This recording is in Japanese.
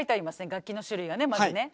楽器の種類がねまずね。